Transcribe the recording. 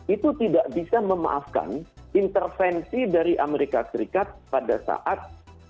itu tidak bisa memaafkan intervensi dari amerika serikat pada saat